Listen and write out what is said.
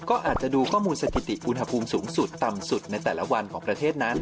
ก็อาจจะดูข้อมูลสถิติอุณหภูมิสูงสุดต่ำสุดในแต่ละวันของประเทศนั้น